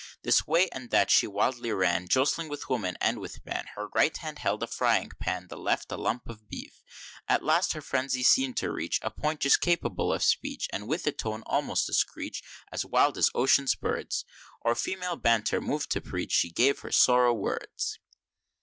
This way and that she wildly ran, Jostling with woman and with man Her right hand held a frying pan, The left a lump of beef. At last her frenzy seemed to reach A point just capable of speech, And with a tone almost a screech, As wild as ocean bird's, Or female Banter mov'd to preach, She gave her "sorrow words."